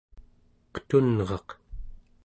qetunraq